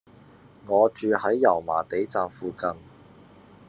我住喺油麻地站附近